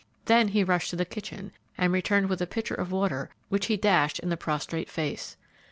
Then he rushed to the kitchen, and returned with a pitcher of water, which he dashed in the prostrate face.